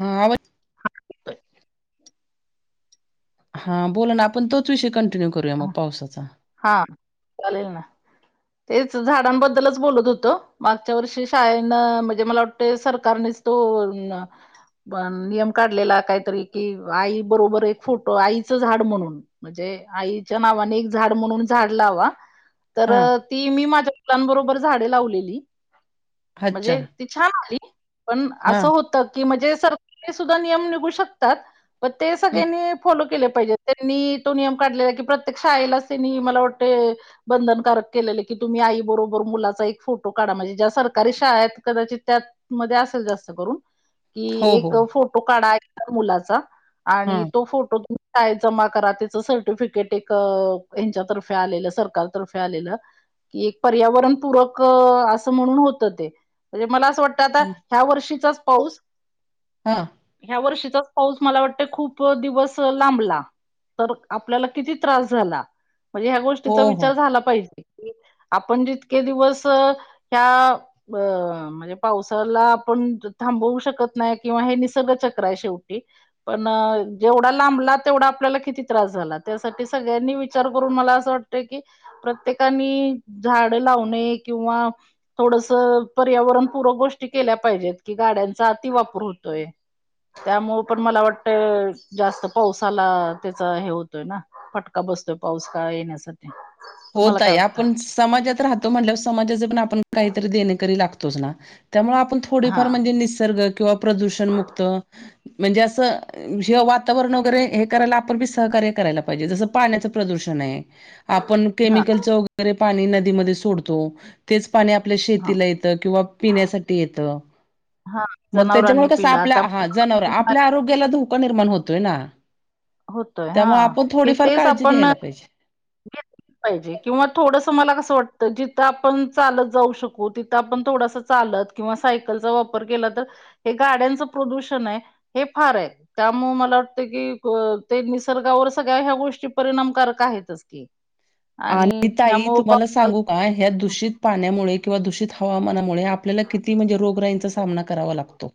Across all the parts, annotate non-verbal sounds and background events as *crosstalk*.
हा आवाज हा येतोय. हा बोला ना आपण तोच विषय कंटिन्यू करूया मग पावसाचा‌. हा चालेल ना तेच झाडांबद्दलच बोलत होतो. मागच्या वर्षी शाळेनं म्हणजे मला वाटतंय सरकारनेच तो न पण नियम काढलेला काहीतरी कि आई बरोबर एक फोटो आईचं झाड म्हणून. म्हणजे आईच्या नावाने एक झाड म्हणून झाड लावा तर हा ती मी माझ्या मुलांबरोबर झाडे लावलेली अच्छा म्हणजे ती छान आली पण हा असं होत की म्हणजे सरकारी सुद्धा नियम निघू शकतात‌. पण ते हं, सगळ्यांनी फॉलो केले पाहिजे. त्यांनी तो नियम काढलेला की प्रत्येक शाळेला त्यांनी मला वाटतंय बंधनकारक केलेले की तुम्ही आई बरोबर मुलाचा एक फोटो काढा म्हणजे ज्या सरकारी शाळा आहेत कदाचित त्या मध्ये असेल जास्त करून. हो कि हो एक फोटो काढा मुलाचा हा आणि तो फोटो शाळेत जमा करा त्याच सर्टिफिकेट एक ह्यांच्यातर्फे आलेलं सरकारतर्फे आलेलं. कि एक पर्यावरणपूरक असं म्हणून होतं ते म्हणजे मला असं वाटत टत आता हं, ह्या वर्षीचाच पाऊस हा. ह्या वर्षीचाच पाऊस मला वाटतय खूप दिवस लांबला. तर आपल्याला किती त्रास झाला. म्हणजे ह्या हो गोष्टीचा हो विचार झाला पाहिजे की आपण जितके दिवस ह्या ब म्हणजे पावसाला आपण थांबवू शकत नाही किंवा हे निसर्गचक्र आहे शेवटी. पण जेवढा लांबला तेवढा आपल्याला किती त्रास झाला त्यासाठी सगळ्यांनी वि विचार करून मला असं वाटतं की प्रत्येकानी झाड लावणे किंवा थोडस पर्यावरणपूरक गोष्टी केल्या पाहिजेत की गाड्यांचा अति वापर होतोय. त्यामुळं पण मला वाटतं जास्त पावसाला त्याच हे होतोय ना. फटका बसतोय पाऊस काळ येण्याचा. हो ताई आपणच समाजात राहतो म्हणल्यावर समाजाचे पण आपण काहीतरी देणेकरी लागतोच ना त्यामुळे आपण हा थोडीफार म्हणजे निसर्ग किंवा प्रदूषण मुक्त म्हणजे असं हे वातावरण वगैरे हे करायला आपण बी सहकार्य करायला पाहिजे जसं पाण्याचं प्रदूषण आहे आपण हा केमिकलचं वगैरे पाणी नदीमध्ये सोडतो तेच पाणी आपल्या हा शेतीला येतं किंवा पिण्यासाठी येतं हा मग त्याच्यामुळे जनावरांनी कसं पिला आपल्या आता हा जनावर आपल्या आरोग्याला धोका निर्माण होतोय ना. होतोय हा त्यामुळे आपण कि थोडीफार तेच काळजी आपण घ्यायला पाहिजे. *unintelligible* पाहिजे किंवा थोडस मला कसं वाटतं जिथं आपण चालत जाऊ शकू तिथं आपण थोडसं चालत किंवा सायकलचा वापर केला तर हे गाड्यांचं प्रदूषण आहे हे फार आहे. त्यामुळे मला वाटतं की ते निसर्गावर सगळ्या ह्या गोष्टी परिणामकारक आहेतच. ती. आणि ताई, तुम्हाला सांगू का ह्या दूषित पाण्यामुळे, किंवा दूषित हवामानामुळे, आपल्याला किती म्हणजे रोगराईंचा सामना करावा लागतो.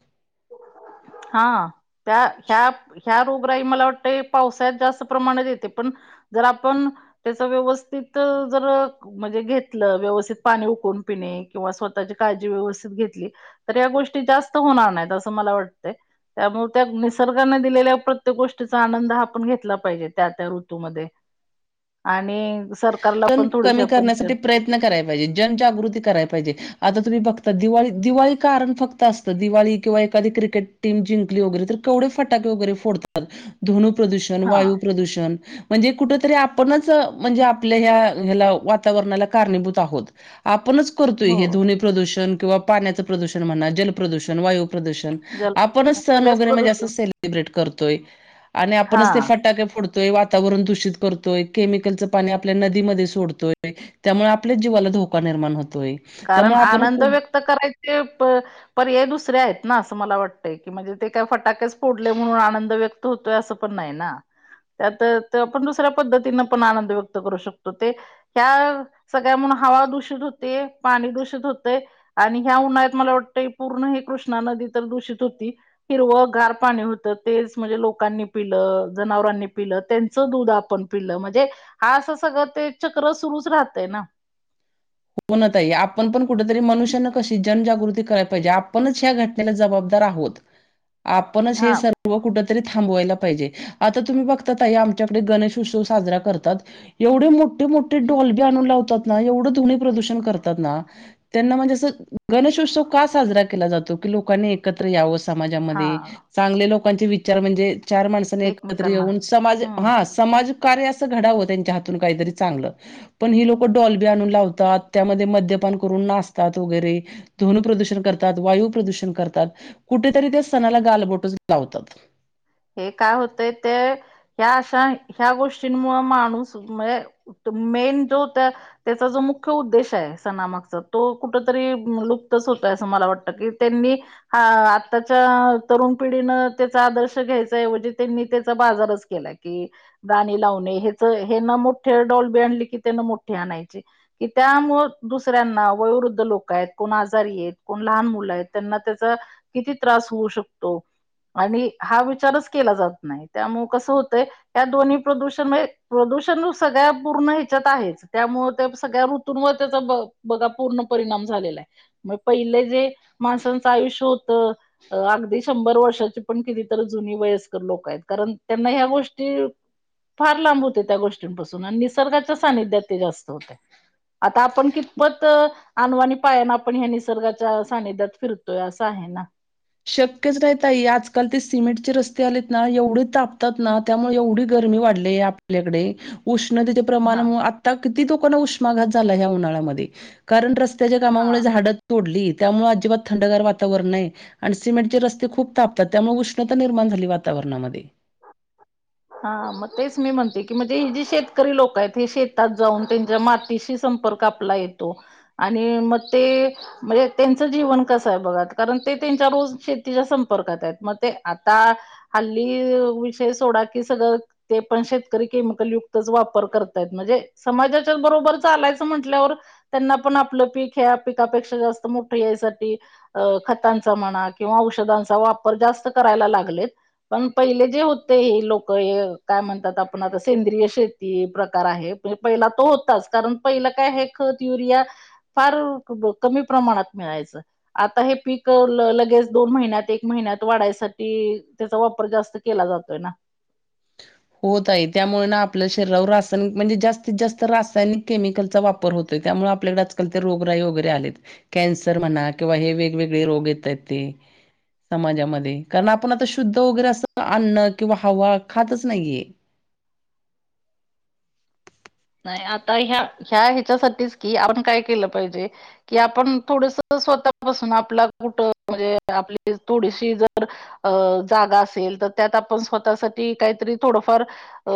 हां. त्या ह्या, ह्या रोगराई मला वाटते, पावळ्यात जास्त प्रमाणात येते, पण जर आपण, त्याच व्यवस्थित, जर म्हणजे घेतलं, व्यवस्थित पाणी उकून पिणे, किंवा स्वतःची काळजी व्यवस्थित घेतली, तर या गोष्टी, जास्त होणार नाहीत, असं मला वाटतें. त्यामुळे, त्या निसर्गाने दिलेल्या, प्रत्येक गोष्टीचा आनंद, आपण घेतला पाहिजे, त्या-त्या ऋतूमध्ये. आणि सरकारला पण थोडीशी आपण *unintelligible* न कराय पाहिजे, जनजागृती कराय पाहिजे. आता तुम्ही बघता, दिवाळी, दिवाळी कारण फक्त असतं, दिवाळी किंवा एखादी क्रिकेट टीम जिंकली वगैरे, तर केवडे फटाके वगैरे, फोडत तात, ध्वनू प्रदूषण, हा वायू प्रदूषण म्हणजे कुठ तरी आपणच, म्हणजे आप आपल्या ह्या, ह्याला वातावरणाला कारणीभूत आहोत, आपणच करतोय हो हे दोन्ही प्रदूषण, किंवा पाण्याचं प्रदूषण म्हणा, जल प्रदूषण, वायू प्रदूषण. जल आपणच सन सगळेच वगैरे, म्हणजे असं प्रदूषण सेलिब्रेट करतोय, आणि आपणच ते हा फटाके फोड तोय, वातावरण दूषित करतोय, केमिकलचं पाणी आप ल्या नदीमध्ये सोडतोय, त्यामुळ आपल्याच जीवाला, धोका निर्माण होतोय. कारण त्यामुळे आपण आनंद हो व्यक्त करायचे, प पर्याय दुसरे आहेत ना, असं मला वाटतय, की म्हणजे ते काय फटाकेच फोडले, म्हणून आनंद व्यक्त धुतोय, असं पण, नाही ना? त्यात, त आपण दुसऱ्या पद्धतीन पण, आनंद व्यक्त करू शकतो, ते त्या, सगळ्या म्हणून हवा दूषित, होते. पाणी दूषित होतय, आणि ह्या उन्हाळ्यात मला वाटतय, पूर्ण हीं कृष्णा नदी तर, दूषित होती. हिरवं गार पाणी होतं, तेच म्हणजे लोकांनी पिलं, जनावरांनी पिलं, त्यांचं दूध आपण पिलं म्हणजे हा असं, सगळं ते चक्र, सुरुच राहतय ना. होणा ताई, आपण पण कुठेतरी, मनुष्यान कशी जनजागृती करायला पाहिजे, आपणच ह्या घटनेला जबाबदार आहोत. ह *inaudible* आपणच हे स व, कुठ तरी थांबवायला पाहिजे, आता तुम्ही बघता ताई, आमच्याकड गणेश उत्सव, साजरा करतात एवढे मोठे-मोठे डॉल बी आणून लावतात ना, एवढं ध्वनी प्रदषण करतात ना, त्यांना म्हणजे असं, गणेशोत्सव का साजरा केला जातो, की लोकांनी एक कत्र यावं समाजामध्ये, हा. चांगल्या लोकांचे विचार म्हणजे, चार माणसं एकत्र एकमेकांना येऊन, समाज हम्म हां समाज कार्य अस घडाव, त्यांच्या हातून काहीतरी चांगलं, पण ही लोकं, डॉल बी आणून लाव तात, त्यामध्ये मद्यपान करून, नाचतात, वगैरे. ध्वनी प्रदूषण करतात, वायू प्रदूषण करतात, कुठेतरी त्या सणाला, गालबोटच लावतात. हे काय होतय, ते ह्या अशा, ह्या गोष्टींमुळ, माणूस म्ह मेन, जो त त्याचा जो मुख्य उद्देश ये, सनामागचा, तो कुठ तरी लुप्तच होतोय, असं मला वाटत, की त्यांनी हा आत्ताच्या, तरुण पिढीनं, त्याचा आदर्श घ्यायचा ऐवजी, त्यांनी त्याचा, बाजारच केला की गाणी लावणे, हेच हे ना मोठे डॉलबी आणली की, त्यांन मोठी आणायची कि त्यामुळं, दुसऱ्यांना, वयोवृद्ध लोक येत, कोण आजारी येत, कोण लहान मुलं यत, त्यांना त्याच किती त्रास होऊ शकतो आणि हा विचारच केला जात नाही त्यामुळ कस होतय या दोन्ही प्रदूषण म्हणजे प्रदूषण सगळ्या पूर्ण ह्याच्यात आहेच त्यामुळे ते सगळ्या *unintelligible* त्याचा बघा पूर्ण परिणाम झालेला आहे. मग पहिले जे माणसांच आयुष्य होत अगदी शंभर वर्षाची पण किती तर जुनी वयस्कर लोक आहेत. कारण त्यांना ह्या गोष्टी फार लांब होते त्या गोष्टींपासून आणि निसर्गाच्या सानिध्यात ते जास्त होते. आता आपण कितपत आणवानी पायान आपण हे निसर्गाच्या सानिध्यात फिरतोय अस आहे ना. शक्यच नाही ताई आजकाल ते सिमेंटचे रस्ते आलेत ना एवढे तापतात ना. त्यामुळे एवढी गरमी वाढलीय आपल्याकडे. उष्णतेचे प्रमाण हा आता किती लोकांना उष्माघात झालाय ह्या उन्हाळ्यामध्ये कारण रस्ते त्याच्या हा कामामुळे झाड तोडली त्यामुळे अजिबात थंडगार वातावरण नाही. आणि सिमेंटचे रस्ते खूप तापतात त्यामुळे उष्णता निर्माण झाली वातावरणामध्ये. हा मग तेच मी म्हणते की म्हणजे ही जी शेतकरी लोक आहेत, हे शेतात जाऊन त्यांच्या मातीशी संपर्क आप आपला येतो आणि मग ते म्हणजे त्यांच जीवन कस आहे बघा कारण ते त्यांच्या रोज शेतीच्या संपर्कात आहेत मग ते आता हाल्ली विषय सोडा की सगळ ते पण शेतकरी केमिकल युक्तच वापर करतात म्हणजे समाजाच्या बरोबर चालायच म्हटल्यावर त्यांना पण आपल पीक हे पिकापेक्षा जास्त मोठ यायसाठी अ खतांचा म्हणा किंवा औषधांचा वापर जास्त करायला लागलेत. पण पहिले जे होते हे लोक *unintelligible* काय म्हणतात आपण आता सेंद्रिय शेती प्रकार आहे पहिला तो होताच कारण पहिल काय हे खत, युरिया फार कमी प्रमाणात मिळायच. आता हे पीक लगेच दोन महिन्यात एक महिन्यात वाढायसाठी त्याचा वापर जास्त केला जातोय ना. हो ताई त्यामुळ आपल्या शरीरावर रासायनिक म्हणजे जास्तीत जास्त रासायनिक केमिकलचा वापर *unintelligible* होतोय त्यामुळे आपल्याला आजकाल ते रोगराई वगैरे आलेत. कॅन्सर म्हणा किंवा हे वेगवेगळे रोग येतात ते. समाजामध्ये कारण आपण आता शुद्ध वगैरे अस अन्न किंवा हवा खातच नाहीये. नाही आता ह्या ह्या ह्याच्यासाठीच की आपण काय केल पाहिजे कि आपण थोडस स्वतःपासून आपला कुठ म्हणजे आपली थोडीशी जर अ जागा असेल तर त्यात आपण स्वतःसाठी काहीतरी थोडफार अ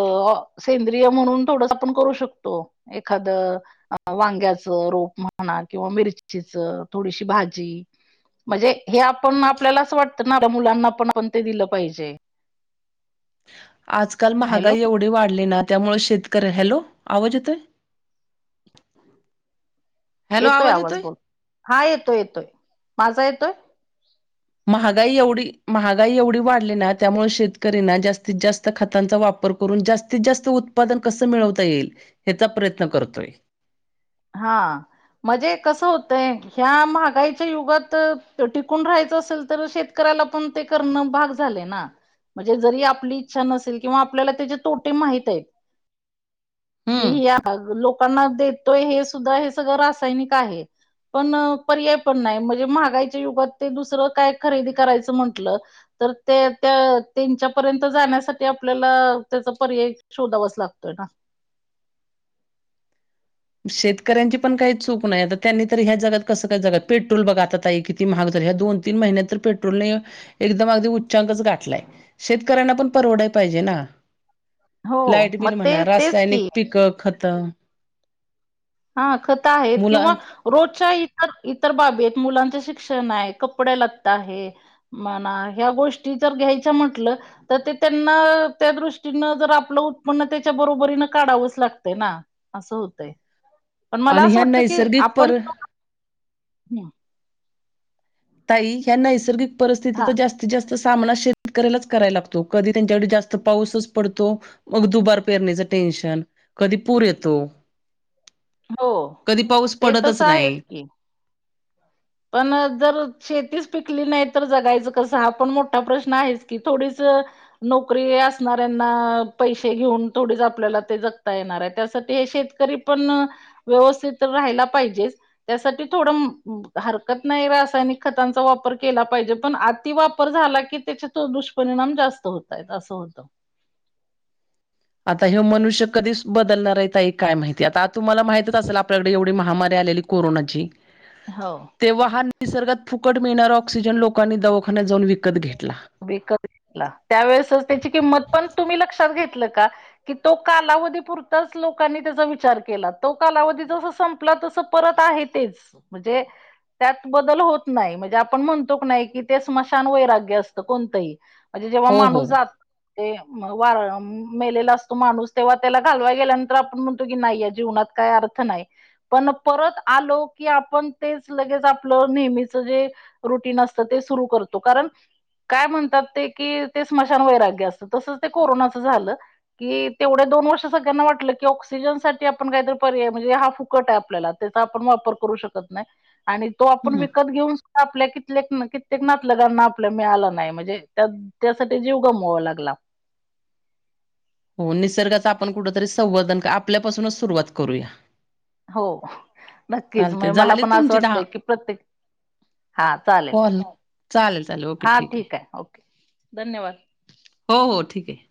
सेंद्रिय म्हणून थोडस आपण करू शकतो एखाद अ वांग्याच रोप म्हणा किंवा मिरचीच थोडीशी भाजी म्हणजे हे आपण आपल्याला अस वाटत ना मुलांना पण आपण ते दिल पाहिजे. आजकाल हॅलो महागाई एवढी वाढली ना त्यामुळ शेतकरी हॅलो आवाज येतोय? येतोय आवाज बोल हा येतोय येतोय, माझा येतोय? महागाई एवढी महागाई एवढी वाढली ना त्यामुळ शेतकरीना जास्तीत जास्त खातांचा वापर करून जास्तीत जास्त उत्पादन कस मिळवता येईल ह्याचा प्रयत्न करतोय. हां म्हणजे कस होतय ह्या महागाईच्या युगात टिकून राहायच असेल तर शेत शेतकऱ्याला पण ते करण भाग झाले ना म्हणजे जरी आपली इच्छा नसेल किंवा आपल्याला त्याचे तोटे माहित आहेत. हम्म. किया लोकांना देतोय. हे सुद्धा हे सगळं रासायनिक आहे पण पर्याय पण नाही. म्हणजे महागाईच्या युगात ते दुसर काय खरेदी करायचं म्हटलं! तर ते त्यांच्या पर्यंत जाण्यासाठी आपल्याला त्याचा पर्याय शोधावाच लागतोय ना! शेतकऱ्यांची पण काही चूक नाही. आता त्यांनी तर ह्या जगात कसं! काय जग पेट्रोल बघा आता ताई कि ती महाग झाली ह्या दोन तीन महिन्यात तर पेट्रोलने एकदम अगदी उच्चांअंकच गाठलाय. शेतकऱ्यांना पण परवडाया पाहिजे ना! हो लाईट मग बिल ते म्हणा तेच की रासायनिक पिक खत हा खत आहेत. मुला किंवा रोजच्या इतर इतर बाबीेत मुलांच शिक्षण आहे. कपडे लत्ते आहे. म्हणा ह्या गोष्टी जर घ्यायच्या म्हटलं! तर ते त्यांना त्या दृष्टीनं जर आपलं उत्पन्न त्याच्या बरोबरीन काढावंच लागते. ना असं होतय. पण मला आणि असं ह्या वाटतं! की नैसर्गिक आपण पर ताई ह्या नैसर्गिक परिस्थिती हा तर जास्तीत जास्त सामना शेतकऱ्यालाच करायला लागतो. कधी त्यांच्याकडे जास्त पाऊसच पडतो. मग दुबार पेरणीचं टेन्शन कधी पूर येतो. हो. कधी पाऊस ते पडतच तसं नाही. आहेच की. पण जर शेतीच पिकली नाही. तर जगायचं कसं! हा पण मोठा प्रश्न आहेच. की थोडीस नोकरी असणाऱ्यांना पैसे घेऊन थोडी आपल्याला ते जगता येणार आहे. त्यासाठी हे शेतकरी पण व्यवस्थित राहाला पाहिजे. त्यासाठी थोडं हरकत नाही. रासायनिक खतांचा वापर केला पाहिजे. पण आती वापर झाला. की त्याचे दुष्परिणाम जास्त होत आहेत असं होतं. आता हे मनुष्य कधीच बदलणार आहेेत. ताई हे काय माहिती आता आता तुम्हाला माहितच असेल. आपल्याकडे एवढी महामारी आलेली कोरोनाची हो तेव्हा हा निसर्गात फुकट मिळणारा ऑक्सिजन लोकांनी दवाखान्यात जाऊन विकत घेतला. विकत घेतला. त्यावेेळेसच त्याची किंमत पण तुम्ही लक्षात घेतलं का! की तो कालावधी पुरतच लोकांनी त्याचा विचार केला. तो कालावधी जस सपं ल पर आहे तेच म्हणजे त्यात बदल होत नाही. म्हणजे आपण म्हणतो की नाही. ते स्मशान वैराग्य असत. कोणतही म्हणजे जेव्हा हो हो माणूस जातो ते मेलेला असतो. माणूस तेव्हा त्याला घालवा गेल्यानंतर आपण म्हणतो की नाही. या जीवनात काय अ र्थ नाही. पण परत आलो. की आपण तेच लगेच आपलं नेहमीच जे रुटीन असत. ते सुरू करतो. कारण काय म्हणतात. ते कि ते स्मशान वैराग्य असतं! तसंच ते कोरोनाच झाल. कि तेवढ्या दोन वर्ष सगळ्यांना वाटलं. की ऑक्सिजनसाठी आपण काहीतरी पर्याय म्हणजे हा फुकट आहे. आपल्याला आप वापर करू शकत नाही. आणि तो आपण हम्म विकत घेऊन आपल्या किते- कित्येक नातलगांना आपल्या मिळालं नाही. म्हणजे त्या त्यासाठी जीव गमवावा लागला. हो निसर्गाच आपण कुठतरी संवर्धन आपल्यापासूनच सुरुवात करूया. हो नक्कीच मण चालते मला झाली पण असं तुमची दहा वाटतंय! की प्रत्येक हा चालेल कॉल चालेल चालेल ओके हा ठीक आहे. ओके धन्यवाद हो हो ठीक आहे.